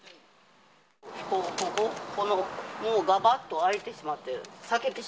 ここ、がばっと開いてしまっている。